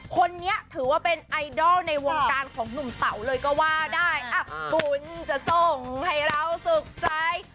คนนี้ถือว่าเป็นไอดอลในวงการของหนุ่มเต๋าเลยก็ว่าได้อ่ะบุญจะส่งให้เราสุขใจ